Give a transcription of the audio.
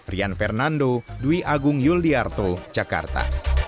rian fernando dwi agung yul di arto jakarta